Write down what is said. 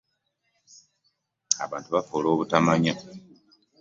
Abantu bafa olw'obutamanya.